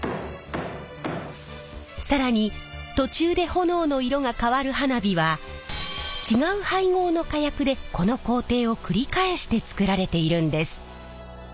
更に途中で炎の色が変わる花火は違う配合の火薬でこの工程を繰り返して作られているんです。